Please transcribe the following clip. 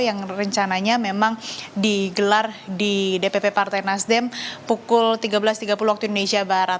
yang rencananya memang digelar di dpp partai nasdem pukul tiga belas tiga puluh waktu indonesia barat